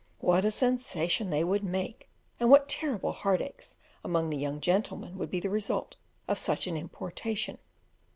What a sensation they would make, and what terrible heart aches among the young gentlemen would be the result of such an importation!